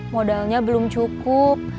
modalnya belum cukup